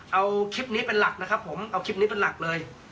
เอาคลิปนี้เป็นหลักนะครับผมเอาคลิปนี้เป็นหลักเลย